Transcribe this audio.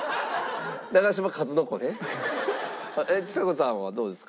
ちさ子さんはどうですか？